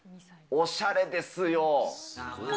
おしゃれですよ。